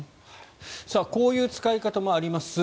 こういう使い方もあります